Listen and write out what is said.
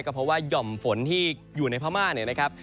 ก็เพราะว่าห่อมฝนที่อยู่ในพม่าเนี่ยนะครับ